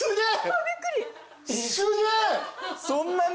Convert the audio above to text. そんなに？